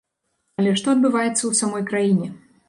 Але што адбываецца ў самой краіне?